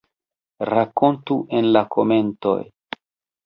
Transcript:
Rakontu en la komentoj!